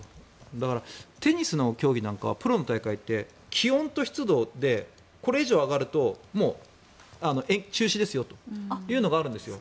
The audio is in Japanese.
だから、テニスの競技なんかはプロの大会って気温と湿度でこれ以上上がるともう中止ですよというのがあるんですよ。